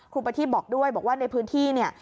ประทีบบอกด้วยบอกว่าในพื้นที่เนี่ย